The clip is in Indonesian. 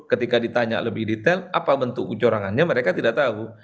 ketika ditanya lebih detail apa bentuk kecurangannya mereka tidak tahu